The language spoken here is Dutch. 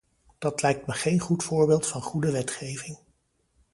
Dat lijkt me geen goed voorbeeld van goede wetgeving.